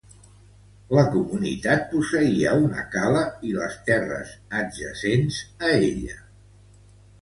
La comunitat posseïa una cala i les terres adjacents a ella.